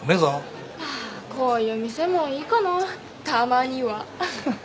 まあこういう店もいいかなたまには。